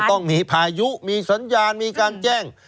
ต้องมีพายุมีสัญญาณมีการแจ้ง